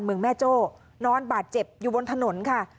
เมืองแม่โจ้นอนบาดเจ็บอยู่บนถนนค่ะ